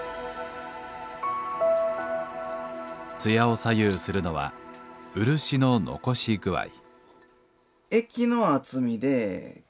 艶を左右するのは漆の残し具合